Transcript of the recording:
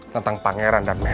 tentang pangeran dan mel